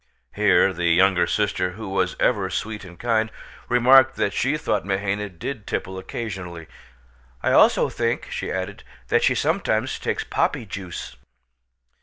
Here the younger sister, who was ever sweet and kind, remarked that she thought Mahaina did tipple occasionally. "I also think," she added, "that she sometimes takes poppy juice."